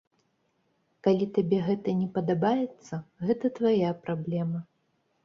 Калі табе гэта не падабаецца, гэта твая праблема.